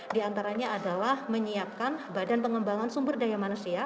di antaranya adalah menyiapkan badan pengembangan sumber daya manusia